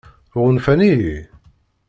Ɣunfan-iyi?